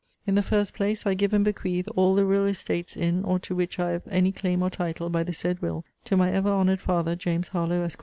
In the first place, I give and bequeath all the real estates in or to which I have any claim or title by the said will, to my ever honoured father, James Harlowe, Esq.